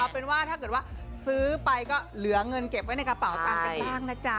เป็นว่าถ้าเกิดว่าซื้อไปก็เหลือเงินเก็บไว้ในกระเป๋าตังค์กันบ้างนะจ๊ะ